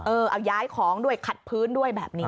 เอาย้ายของด้วยขัดพื้นด้วยแบบนี้